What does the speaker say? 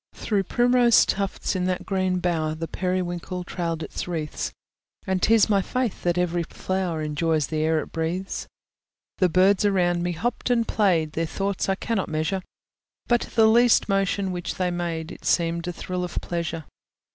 Through primrose tufts, in that green bower, The periwinkle trailed its wreaths; And 'tis my faith that every flower Enjoys the air it breathes. The birds around me hopped and played, Their thoughts I cannot measure: But the least motion which they made It seemed a thrill of pleasure.